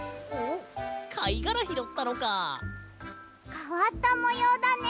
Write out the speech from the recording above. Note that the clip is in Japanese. かわったもようだね。